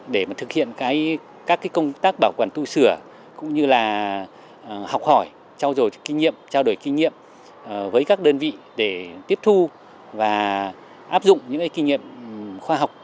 để thực hiện các công tác bảo quản tù sửa cũng như là học hỏi trao đổi kinh nghiệm với các đơn vị để tiếp thu và áp dụng những kinh nghiệm khoa học